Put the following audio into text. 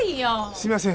すいません。